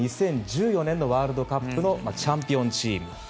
２０１４年のワールドカップのチャンピオンチーム。